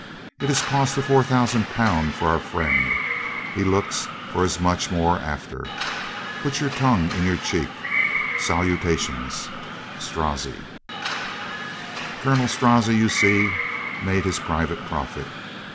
It has cost a four thousand pound for our friend. He looks for as much more after. Put your tongue in your cheek. Salutations. Strozzi. Colonel Strozzi, you see, made his private profit.